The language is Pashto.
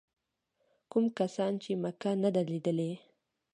کوم کسان چې مکه نه ده لیدلې.